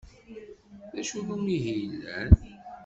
D acu n umihi yellan?